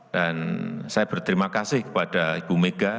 dan saya berterima kasih kepada ibu mega